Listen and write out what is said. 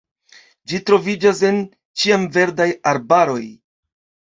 Ĝi troviĝas en ĉiamverdaj arbaroj.